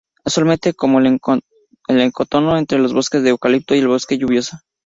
Usualmente como en el ecotono entre el bosque de eucalipto y el bosque lluvioso.